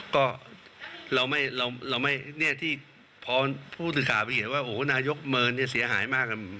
ก็เราไม่พอผู้ถือข่าวไปเห็นว่านายกเมินเสียหายมาก